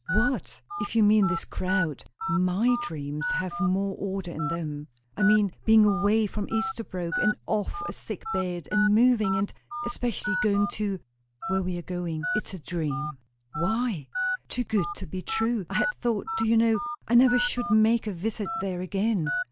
"What? If you mean this crowd, my dreams have more order in them." "I mean, being away from Esterbrooke, and off a sick bed, and moving, and especially going to where we are going. It's a dream!" "Why?" "Too good to be true. I had thought, do you know, I never should make a visit there again."